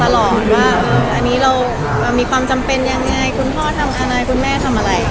เราก็จะบอกตลอดว่าอันนี้เรามีความจำเป็นยังไงคุณพ่อทำการรายคุณแม่ทำอะไร